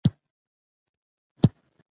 خټکی د وینې زهري مواد پاکوي.